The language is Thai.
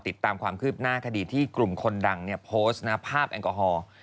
ติดตามความคืบหน้าคดีที่กลุ่มคนดังโพสต์ภาพแอลกอฮอล์